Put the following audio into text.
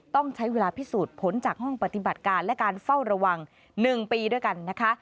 ต้องใช้เวลาพิสูจน์ผลจากห้องปฏิบัติการและการเฝ้าระวัง๑ปีด้วยกันนะคะ